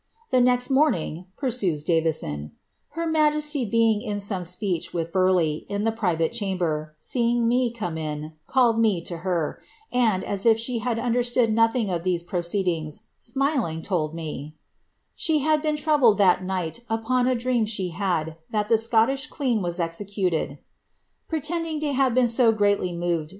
^ The next diog," parsnes Davison, ^ her majesty being in some speech with eigh, in the private chamber, seeing me come in, called me to her, v if she had understood nothing of |hese proceedings, smiling, told >she had been troubled that night upon a dream she had, that the tish queen was executed,' pretending to have been so greatly moved